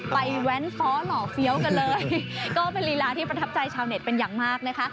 แว้นฟ้อหล่อเฟี้ยวกันเลยก็เป็นลีลาที่ประทับใจชาวเน็ตเป็นอย่างมากนะคะ